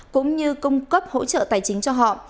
cũng như cung cấp hỗ trợ tài chính cho họ